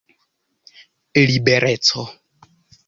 libereco